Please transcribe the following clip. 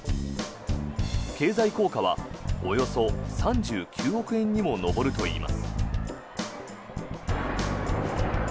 経済効果はおよそ３９億円にも上るといいます。